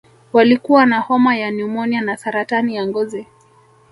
Walikuwa na homa ya pneumonia na saratani ya ngozi